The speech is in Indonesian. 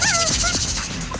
janganlah kau minta alter norms